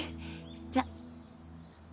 じゃあ。